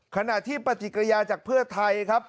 ขณะที่ปฏิกิริยาจากเพื่อไทยครับ